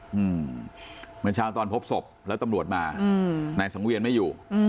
เมื่อเช้าตอนพบศพแล้วตำรวจมาอืมนายสังเวียนไม่อยู่